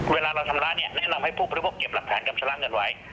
เวลาเราชำระเนี่ยแนะนำให้ผู้บริโภคเก็บหลักฐานกำชำระเงินไว้